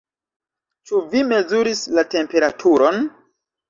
Ĉu vi mezuris la temperaturon?